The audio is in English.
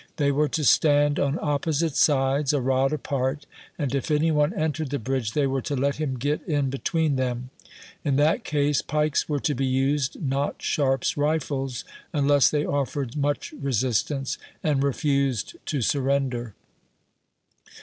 They were to stand on opposite sides, a rod apart, and if any one entered the bridge, they were to let him get in between them. In that case, pikes were to be used, not Sharp's rifles, unless they offered much resistance, and refused to surrender.